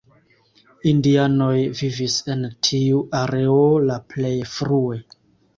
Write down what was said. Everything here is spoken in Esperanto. Indianoj vivis en tiu areo la plej frue.